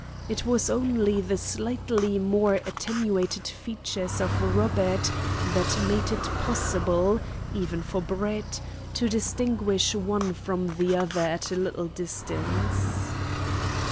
It was only the slightly more attenuated features of Robert that made it possible, even for Brett, to distinguish one from the other at a little distance.